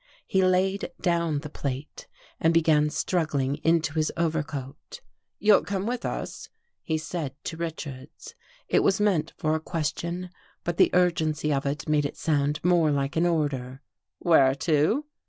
He laid down the plate and began struggling into his overcoat. " You'll come with us? " he said to Richards. It was meant for a question, but the urgency of it made it sound more like an order. "Where to?"